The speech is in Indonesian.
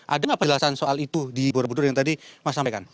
ada nggak penjelasan soal itu di borobudur yang tadi mas sampaikan